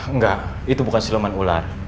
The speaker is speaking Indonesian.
enggak itu bukan silaman ular